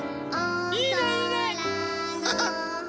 いいねいいね。